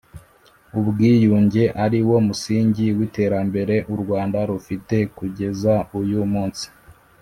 ubwiyunge ari wo musingi w iterambere u Rwanda rufite kugeza uyu munsi